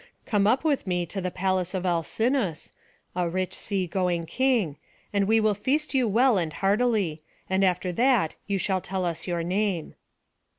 Come up with me to the palace of Alcinous, the rich sea going king, and we will feast you well and heartily; and after that you shall tell us your name."